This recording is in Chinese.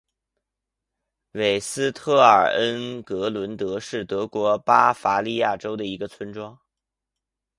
韦斯特尔恩格伦德是德国巴伐利亚州的一个村庄。